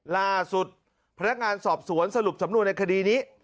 ล่าสุดพนักงานสอบสวนสรุปสำนวนในคดีนี้